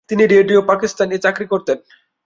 তিনি রেডিও পাকিস্তান-এ চাকুরী করতেন।